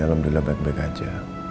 alhamdulillah baik baik aja